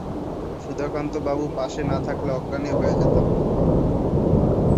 সুধাকান্তবাবু পাশে না থাকলে অজ্ঞানই হয়ে যেতাম।